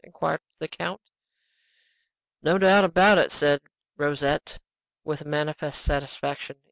inquired the count. "No doubt about it!" said Rosette, with manifest satisfaction.